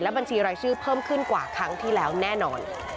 บัญชีรายชื่อเพิ่มขึ้นกว่าครั้งที่แล้วแน่นอน